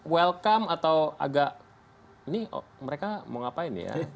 welcome atau agak ini mereka mau ngapain ya